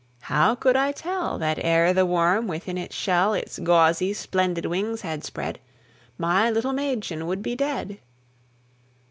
How could I tell That ere the worm within its shell Its gauzy, splendid wings had spread, My little Mädchen would be dead?